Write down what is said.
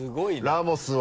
ラモスハ。